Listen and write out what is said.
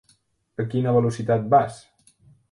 A quina velocitat vas?